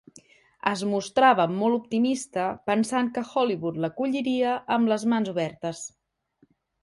Es mostrava molt optimista pensant que Hollywood l'acolliria amb les mans obertes.